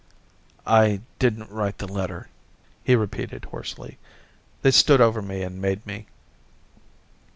' I didn't write the letter,' he repeated hoarsely ;* they stood over me and made me.'